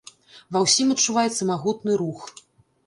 Ва ўсім адчуваецца магутны рух.